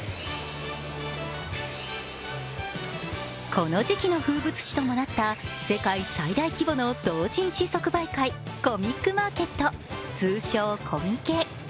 この時期の風物詩ともなった、世界最大規模の同人誌即売会、コミックマーケット、通称・コミケ。